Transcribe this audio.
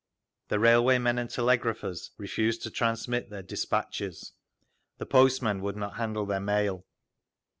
The railway men and telegraphers refused to transmit their despatches, the postmen would not handle their mail.